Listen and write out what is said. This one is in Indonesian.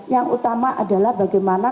yang utama adalah bagaimana